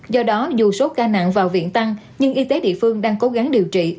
do đó dù số ca nặng vào viện tăng nhưng y tế địa phương đang cố gắng điều trị